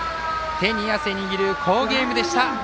手に汗握る好ゲームでした。